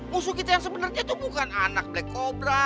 musuh kita yang sebenarnya tuh bukan anak black cobra